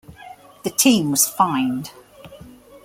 The team was fined.